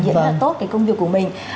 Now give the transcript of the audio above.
rất là tốt cái công việc của mình